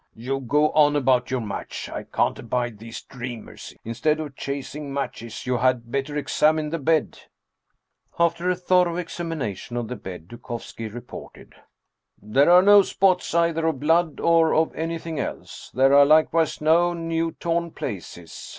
"You go on about your match! I can't abide these dreamers! Instead of chasing matches, you had better examine the bed !" After a thorough examination of the bed, Dukovski re ported :" There are no spots, either of blood or of anything else. There are likewise no new torn places.